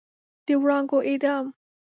د وړانګو اعدام